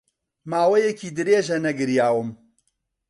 ماوەیەکی درێژە نەگریاوم.